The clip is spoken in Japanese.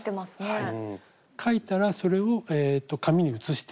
はい。